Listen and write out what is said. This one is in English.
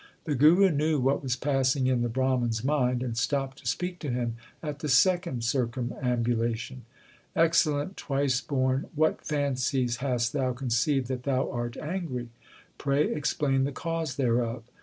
The Guru knew what was passing in the Brahman s mind, and stopped to speak to him at the second circumambulation. Excellent twice born, w r hat fancies hast thou con ceived that thou art angry ? Pray explain the cause thereof.